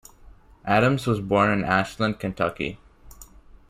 Adams was born in Ashland, Kentucky.